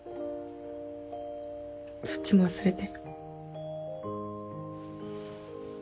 そっちも忘れて。